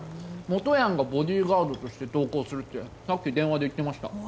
もとやんがボディーガードとして同行するってさっき電話で言ってました。